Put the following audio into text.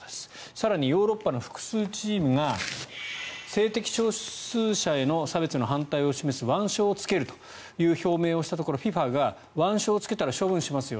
更にヨーロッパの複数チームが性的少数者への差別の反対を示す腕章をつけるという表明をしたところＦＩＦＡが腕章をつけたら処分しますよ